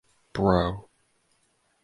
Bro.